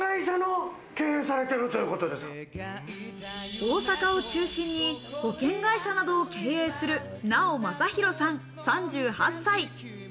大阪を中心に保険会社などを経営する直昌宏さん、３８歳。